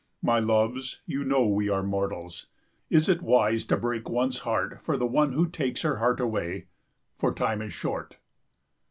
My loves, you know we are mortals. Is it wise to break one's heart for the one who takes her heart away? For time is short.